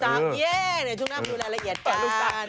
หนนด้วยช่วงหน้าปกประโยชน์